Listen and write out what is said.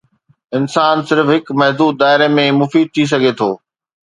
انسان صرف هڪ محدود دائري ۾ مفيد ٿي سگهي ٿو.